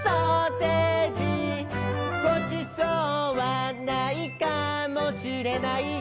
「ごちそうはないかもしれない」